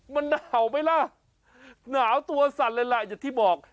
น่าวไปล่ะหนาวตัวสั่นเลยล่ะยังที่บอก